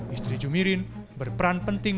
istri jumirin berperan penting